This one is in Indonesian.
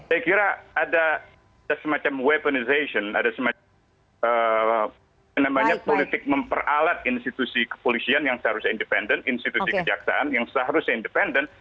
saya kira ada semacam weaponization ada semacam politik memperalat institusi kepolisian yang seharusnya independen institusi kejaksaan yang seharusnya independen